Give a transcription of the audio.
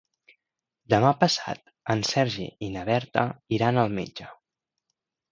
Demà passat en Sergi i na Berta iran al metge.